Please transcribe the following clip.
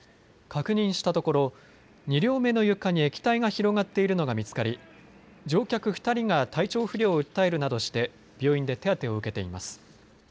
確認したところ２両目の床に液体が広がっているのが見つかり乗客２人が体調不良を訴えるなどして病院で手当てを受けています。